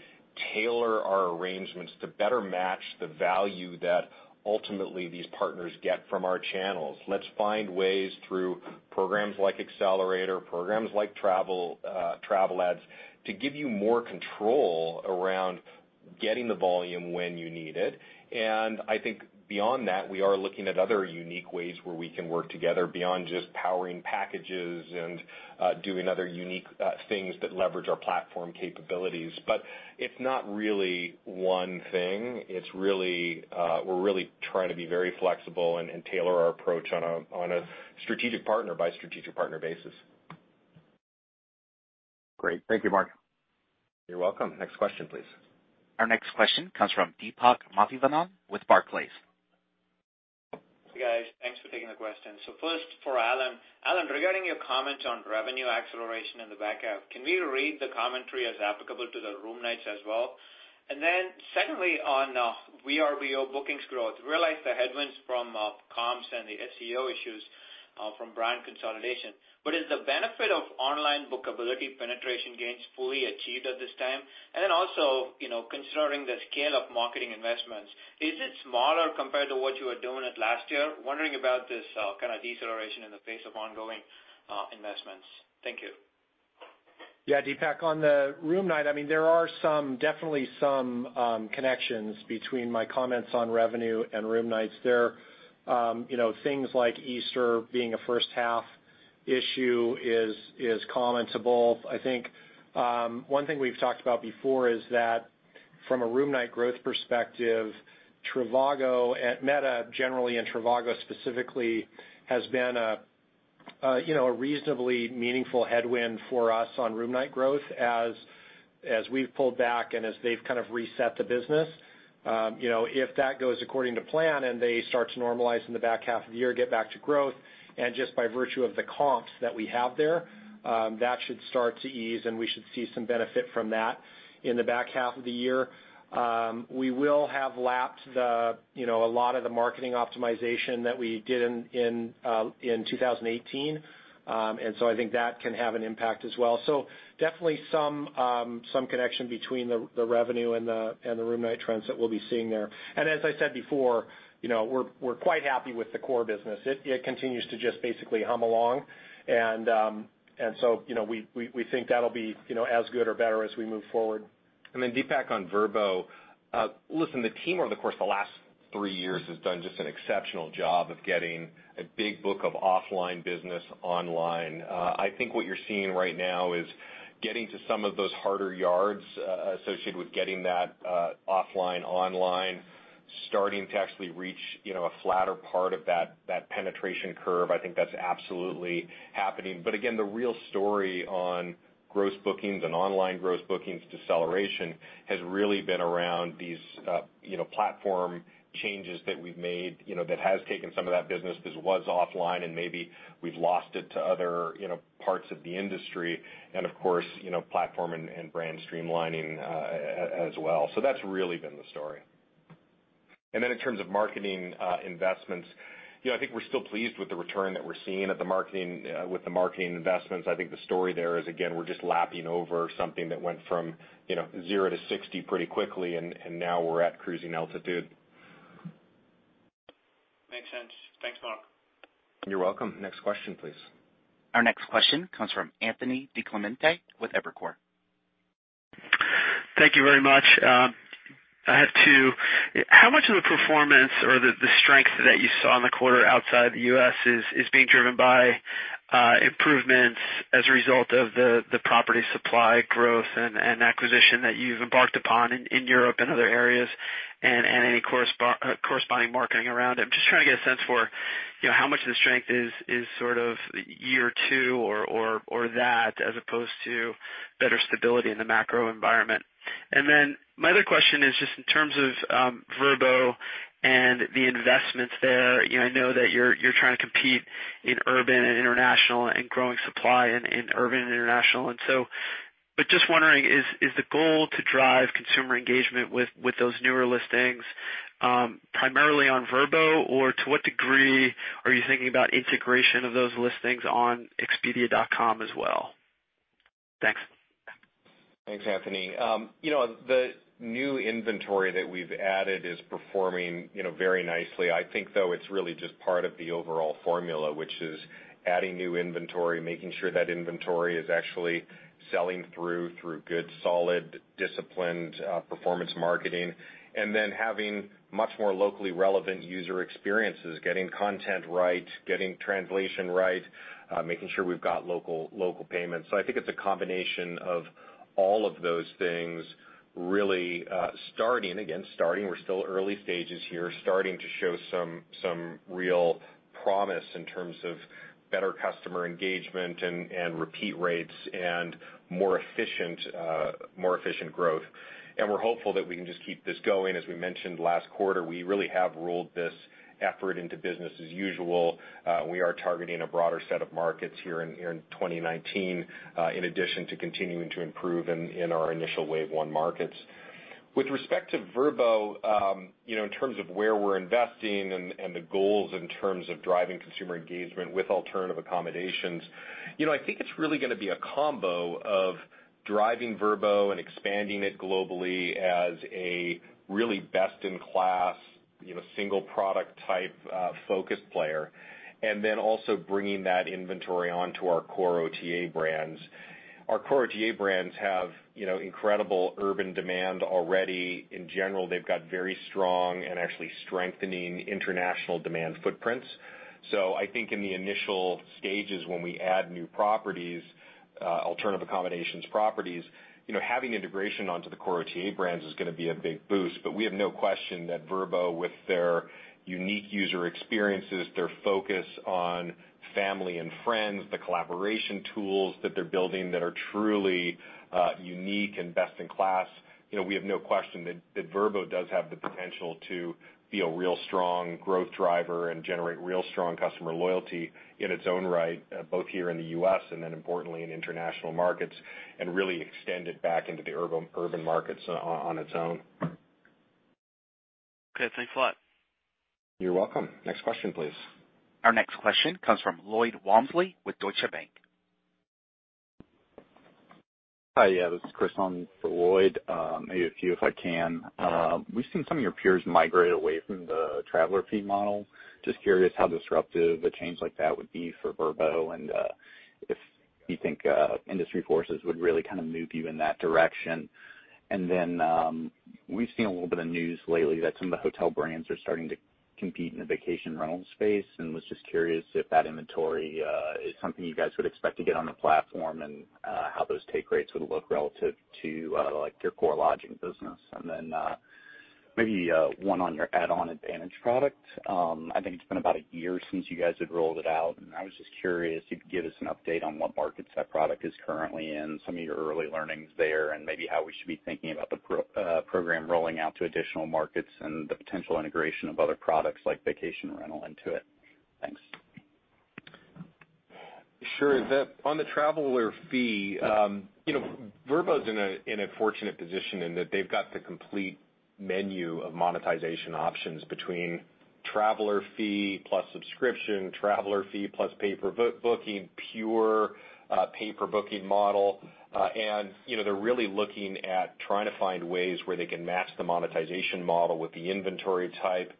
tailor our arrangements to better match the value that ultimately these partners get from our channels. Let's find ways through programs like Accelerator, programs like TravelAds, to give you more control around getting the volume when you need it. I think beyond that, we are looking at other unique ways where we can work together beyond just powering packages and doing other unique things that leverage our platform capabilities. It's not really one thing. We're really trying to be very flexible and tailor our approach on a strategic partner by strategic partner basis. Great. Thank you, Mark. You're welcome. Next question, please. Our next question comes from Deepak Mathivanan with Barclays. Hey, guys. Thanks for taking the question. First, for Alan. Alan, regarding your comments on revenue acceleration in the back half, can we read the commentary as applicable to the room nights as well? Secondly, on Vrbo bookings growth, realize the headwinds from comps and the SEO issues from brand consolidation. Is the benefit of online bookability penetration gains fully achieved at this time? Also, considering the scale of marketing investments, is it smaller compared to what you were doing at last year? Wondering about this kind of deceleration in the face of ongoing investments. Thank you. Yeah, Deepak. On the room night, there are definitely some connections between my comments on revenue and room nights there. Things like Easter being a first half issue is common to both. I think one thing we've talked about before is that from a room night growth perspective, Trivago, Meta generally and Trivago specifically, has been a reasonably meaningful headwind for us on room night growth as we've pulled back and as they've kind of reset the business. If that goes according to plan and they start to normalize in the back half of the year, get back to growth, just by virtue of the comps that we have there, that should start to ease, and we should see some benefit from that in the back half of the year. We will have lapped a lot of the marketing optimization that we did in 2018. I think that can have an impact as well. Definitely some connection between the revenue and the room night trends that we'll be seeing there. As I said before, we're quite happy with the core business. It continues to just basically hum along. We think that'll be as good or better as we move forward. Deepak on Vrbo. Listen, the team over the course of the last three years has done just an exceptional job of getting a big book of offline business online. I think what you're seeing right now is getting to some of those harder yards associated with getting that offline online, starting to actually reach a flatter part of that penetration curve. I think that's absolutely happening. Again, the real story on gross bookings and online gross bookings deceleration has really been around these platform changes that we've made that has taken some of that business that was offline and maybe we've lost it to other parts of the industry, and of course, platform and brand streamlining as well. That's really been the story. In terms of marketing investments, I think we're still pleased with the return that we're seeing with the marketing investments. I think the story there is, again, we're just lapping over something that went from zero to 60 pretty quickly, and now we're at cruising altitude. Makes sense. Thanks, Mark. You're welcome. Next question, please. Our next question comes from Anthony DiClemente with Evercore. Thank you very much. I have two. How much of the performance or the strength that you saw in the quarter outside the U.S. is being driven by improvements as a result of the property supply growth and acquisition that you've embarked upon in Europe and other areas, and any corresponding marketing around it? I'm just trying to get a sense for how much of the strength is sort of year two or that as opposed to better stability in the macro environment. My other question is just in terms of Vrbo and the investments there. I know that you're trying to compete in urban and international and growing supply in urban and international. Just wondering, is the goal to drive consumer engagement with those newer listings, primarily on Vrbo? Or to what degree are you thinking about integration of those listings on expedia.com as well? Thanks. Thanks, Anthony. The new inventory that we've added is performing very nicely. I think, though, it's really just part of the overall formula, which is adding new inventory, making sure that inventory is actually selling through good, solid, disciplined performance marketing, and then having much more locally relevant user experiences, getting content right, getting translation right, making sure we've got local payments. I think it's a combination of all of those things really starting, again, we're still early stages here, starting to show some real promise in terms of better customer engagement and repeat rates and more efficient growth. We're hopeful that we can just keep this going. As we mentioned last quarter, we really have rolled this effort into business as usual. We are targeting a broader set of markets here in 2019, in addition to continuing to improve in our initial wave 1 markets. With respect to Vrbo, in terms of where we're investing and the goals in terms of driving consumer engagement with alternative accommodations, I think it's really going to be a combo of driving Vrbo and expanding it globally as a really best in class, single product type focused player. Also bringing that inventory onto our core OTA brands. Our core OTA brands have incredible urban demand already. In general, they've got very strong and actually strengthening international demand footprints. I think in the initial stages, when we add new properties, alternative accommodations properties, having integration onto the core OTA brands is going to be a big boost. We have no question that Vrbo, with their unique user experiences, their focus on family and friends, the collaboration tools that they're building that are truly unique and best in class. We have no question that Vrbo does have the potential to be a real strong growth driver and generate real strong customer loyalty in its own right, both here in the U.S. importantly, in international markets, really extend it back into the urban markets on its own. Okay, thanks a lot. You're welcome. Next question, please. Our next question comes from Lloyd Walmsley with Deutsche Bank. Hi, this is Chris on for Lloyd. Maybe a few if I can. We've seen some of your peers migrate away from the traveler fee model. Just curious how disruptive a change like that would be for Vrbo, and if you think industry forces would really kind of move you in that direction. We've seen a little bit of news lately that some of the hotel brands are starting to compete in the vacation rental space and was just curious if that inventory is something you guys would expect to get on the platform, and how those take rates would look relative to your core lodging business. Maybe one on your Add-On Advantage product. I think it's been about a year since you guys had rolled it out, and I was just curious if you could give us an update on what markets that product is currently in, some of your early learnings there, and maybe how we should be thinking about the program rolling out to additional markets and the potential integration of other products like vacation rental into it. Thanks. Sure. On the traveler fee, Vrbo's in a fortunate position in that they've got the complete menu of monetization options between traveler fee plus subscription, traveler fee plus pay per booking, pure pay per booking model. They're really looking at trying to find ways where they can match the monetization model with the inventory type,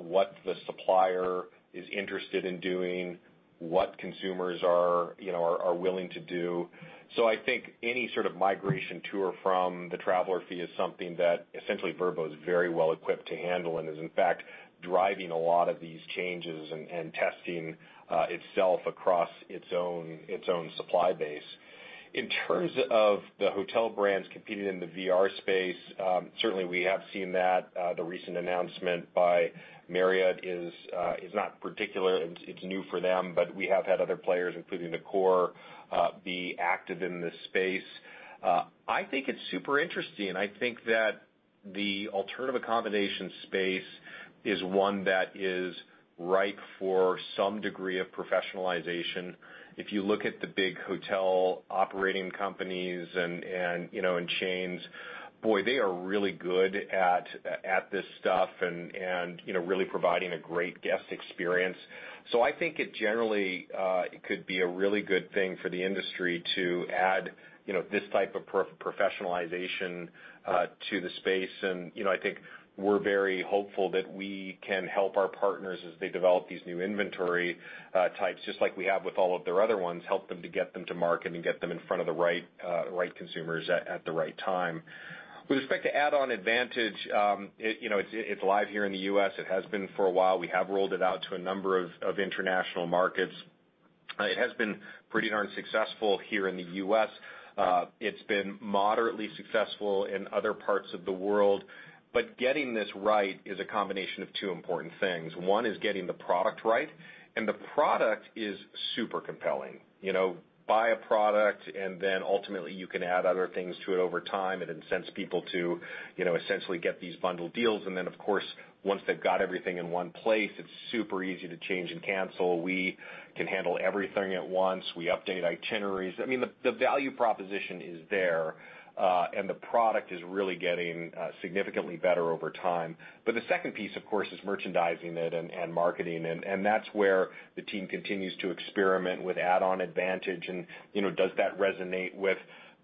what the supplier is interested in doing, what consumers are willing to do. I think any sort of migration to or from the traveler fee is something that essentially Vrbo is very well equipped to handle and is in fact, driving a lot of these changes and testing itself across its own supply base. In terms of the hotel brands competing in the VR space, certainly we have seen that. The recent announcement by Marriott is not particular. It's new for them, We have had other players, including The Core, be active in this space. I think it's super interesting. I think that the alternative accommodation space is one that is ripe for some degree of professionalization. If you look at the big hotel operating companies and chains, boy, they are really good at this stuff and really providing a great guest experience. I think it generally could be a really good thing for the industry to add this type of professionalization to the space. I think we're very hopeful that we can help our partners as they develop these new inventory types, just like we have with all of their other ones, help them to get them to market and get them in front of the right consumers at the right time. With respect to Add-On Advantage, it's live here in the U.S. It has been for a while. We have rolled it out to a number of international markets. It has been pretty darn successful here in the U.S. It's been moderately successful in other parts of the world. Getting this right is a combination of two important things. One is getting the product right, and the product is super compelling. Buy a product. Ultimately you can add other things to it over time. It incents people to essentially get these bundled deals. Of course, once they've got everything in one place, it's super easy to change and cancel. We can handle everything at once. We update itineraries. I mean, the value proposition is there, and the product is really getting significantly better over time. The second piece, of course, is merchandising it and marketing it. That's where the team continues to experiment with Add-On Advantage and does that resonate with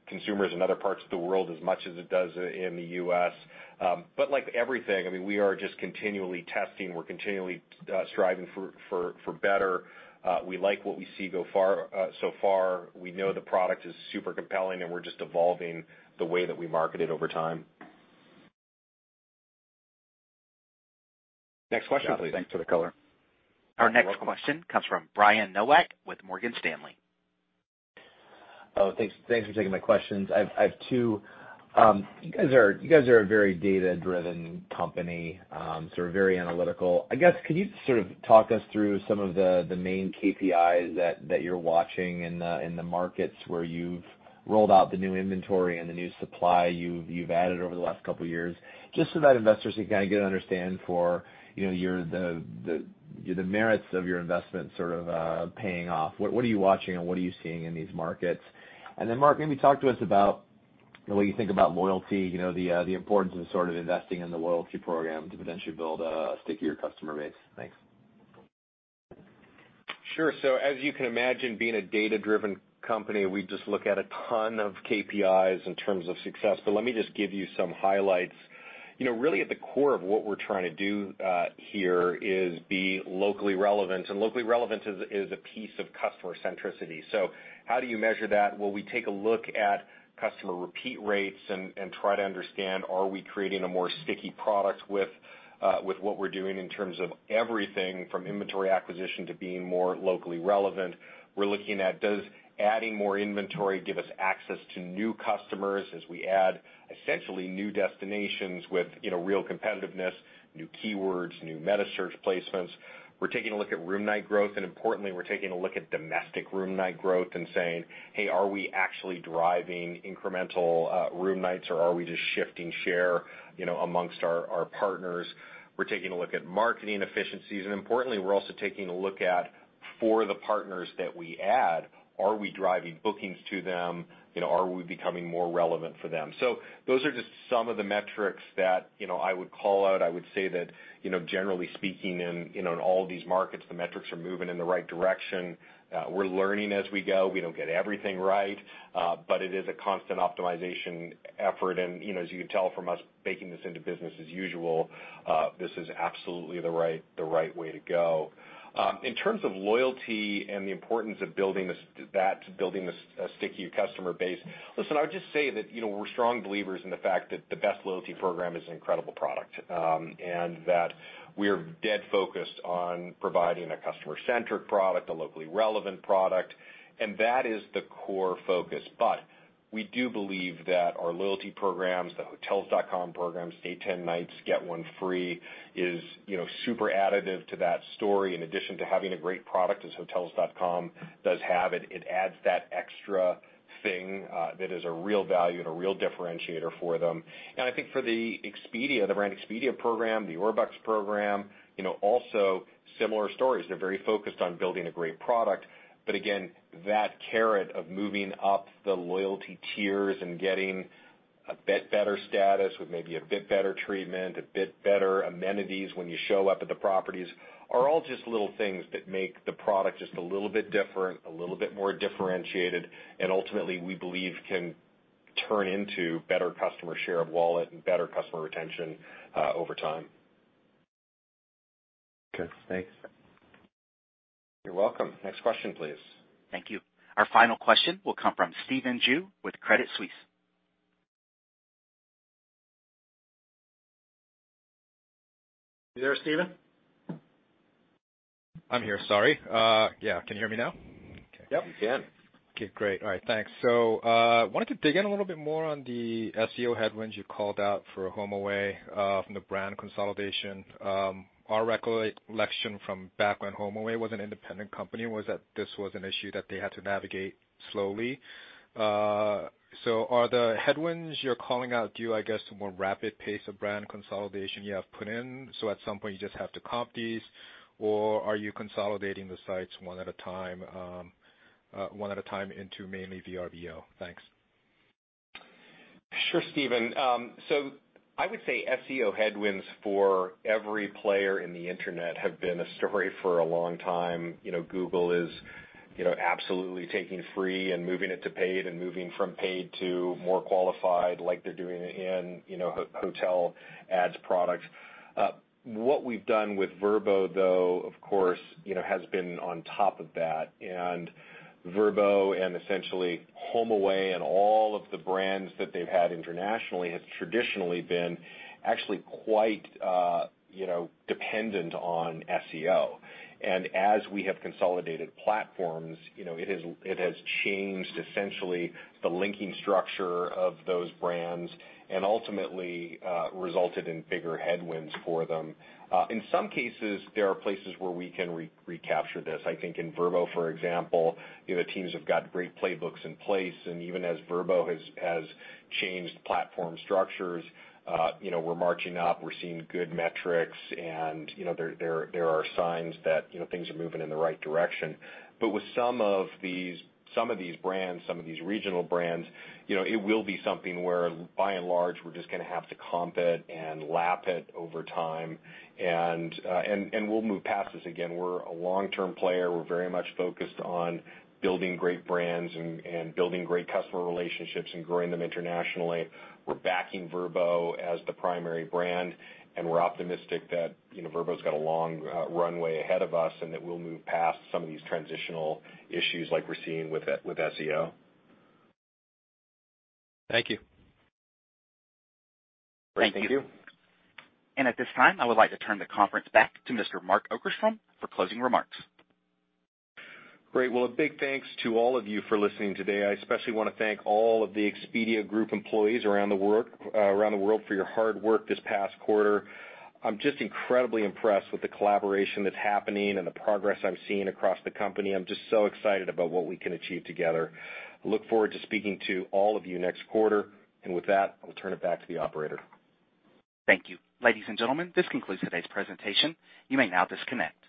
consumers in other parts of the world as much as it does in the U.S.? Like everything, we are just continually testing. We're continually striving for better. We like what we see so far. We know the product is super compelling, and we're just evolving the way that we market it over time. Next question, please. Yeah. Thanks for the color. You're welcome. Our next question comes from Brian Nowak with Morgan Stanley. Thanks for taking my questions. I have two. You guys are a very data-driven company, sort of very analytical. I guess, could you sort of talk us through some of the main KPIs that you're watching in the markets where you've rolled out the new inventory and the new supply you've added over the last couple of years, just so that investors can kind of get an understanding for the merits of your investment sort of paying off. What are you watching and what are you seeing in these markets? Mark, maybe talk to us about what you think about loyalty, the importance of sort of investing in the loyalty program to potentially build a stickier customer base. Thanks. Sure. As you can imagine being a data-driven company, we just look at a ton of KPIs in terms of success. Let me just give you some highlights. Really at the core of what we're trying to do here is be locally relevant, and locally relevant is a piece of customer centricity. How do you measure that? Well, we take a look at customer repeat rates and try to understand, are we creating a more sticky product with what we're doing in terms of everything from inventory acquisition to being more locally relevant? We're looking at does adding more inventory give us access to new customers as we add essentially new destinations with real competitiveness, new keywords, new metasearch placements. We're taking a look at room night growth, importantly, we're taking a look at domestic room night growth and saying, "Hey, are we actually driving incremental room nights or are we just shifting share amongst our partners?" We're taking a look at marketing efficiencies, importantly, we're also taking a look at for the partners that we add, are we driving bookings to them? Are we becoming more relevant for them? Those are just some of the metrics that I would call out. I would say that, generally speaking in all these markets, the metrics are moving in the right direction. We're learning as we go. We don't get everything right. It is a constant optimization effort, as you can tell from us baking this into business as usual, this is absolutely the right way to go. In terms of loyalty and the importance of building that, building a stickier customer base, listen, I would just say that we're strong believers in the fact that the Best Loyalty program is an incredible product, and that we are dead focused on providing a customer-centric product, a locally relevant product, and that is the core focus. We do believe that our loyalty programs, the Hotels.com programs, stay 10 nights, get one free, is super additive to that story. In addition to having a great product as Hotels.com does have, it adds that extra thing that is a real value and a real differentiator for them. I think for the Expedia, the Brand Expedia program, the Orbitz program, also similar stories. They're very focused on building a great product. Again, that carrot of moving up the loyalty tiers and getting a bit better status with maybe a bit better treatment, a bit better amenities when you show up at the properties are all just little things that make the product just a little bit different, a little bit more differentiated, and ultimately, we believe can turn into better customer share of wallet and better customer retention over time. Okay, thanks. You're welcome. Next question, please. Thank you. Our final question will come from Stephen Ju with Credit Suisse. You there, Stephen? I'm here, sorry. Yeah, can you hear me now? Yep, can. Okay, great. All right, thanks. I wanted to dig in a little bit more on the SEO headwinds you called out for HomeAway from the brand consolidation. Our recollection from back when HomeAway was an independent company was that this was an issue that they had to navigate slowly. Are the headwinds you're calling out due, I guess, to more rapid pace of brand consolidation you have put in, so at some point you just have to comp these? Are you consolidating the sites one at a time into mainly Vrbo? Thanks. Sure, Stephen. I would say SEO headwinds for every player in the internet have been a story for a long time. Google is absolutely taking free and moving it to paid and moving from paid to more qualified like they're doing in hotel ads products. What we've done with Vrbo, though, of course, has been on top of that, and Vrbo and essentially HomeAway and all of the brands that they've had internationally has traditionally been actually quite dependent on SEO. As we have consolidated platforms, it has changed essentially the linking structure of those brands and ultimately resulted in bigger headwinds for them. In some cases, there are places where we can recapture this. I think in Vrbo, for example, the teams have got great playbooks in place. Even as Vrbo has changed platform structures, we're marching up, we're seeing good metrics, and there are signs that things are moving in the right direction. With some of these brands, some of these regional brands, it will be something where by and large we're just going to have to comp it and lap it over time. We'll move past this. Again, we're a long-term player. We're very much focused on building great brands and building great customer relationships and growing them internationally. We're backing Vrbo as the primary brand, and we're optimistic that Vrbo's got a long runway ahead of us and that we'll move past some of these transitional issues like we're seeing with SEO. Thank you. Thank you. At this time, I would like to turn the conference back to Mr. Mark Okerstrom for closing remarks. Great. Well, a big thanks to all of you for listening today. I especially want to thank all of the Expedia Group employees around the world for your hard work this past quarter. I'm just incredibly impressed with the collaboration that's happening and the progress I'm seeing across the company. I'm just so excited about what we can achieve together. Look forward to speaking to all of you next quarter. With that, I will turn it back to the operator. Thank you. Ladies and gentlemen, this concludes today's presentation. You may now disconnect.